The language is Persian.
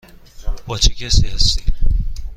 با چه کسی هستی؟